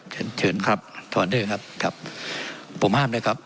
เชิญเชิญครับทอนเดอร์ครับครับผมห้ามด้วยครับ